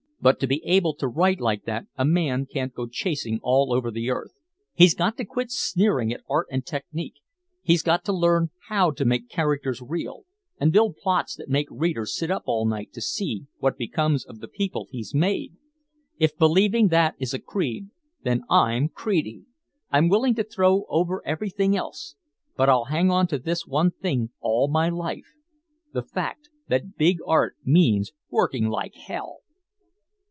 But to be able to write like that a man can't go chasing all over the earth, he's got to quit sneering at art and technique, he's got to learn how to make characters real and build plots that make readers sit up all night to see what becomes of the people he's made! If believing that is a creed, then I'm creedy! I'm willing to throw over everything else, but I'll hang on to this one thing all my life the fact that big art means working like hell!"